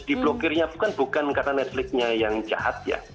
diblokirnya bukan karena netflixnya yang jahat ya